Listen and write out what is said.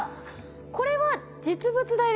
これは実物大ですか？